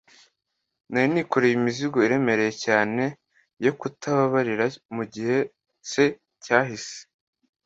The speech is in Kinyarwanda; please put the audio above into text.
nari nikoreye imizigo iremereye cyane yo kutababarira mu gihe c cyashize